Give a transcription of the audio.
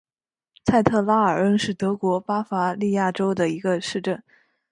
蔡特拉尔恩是德国巴伐利亚州的一个市镇。